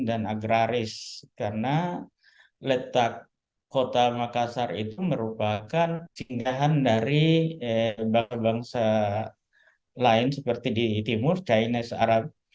dan agraris karena letak kota makassar itu merupakan singgahan dari bangsa lain seperti di timur jainis arab